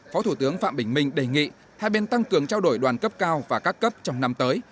phó thủ tướng phạm bình minh đề nghị hai bên tăng cường trao đổi đoàn cấp cao và các cấp trong năm tới